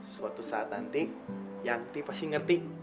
suatu saat nanti yakti pasti ngerti